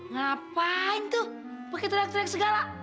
ngapain tuh pakai teriak teriak segala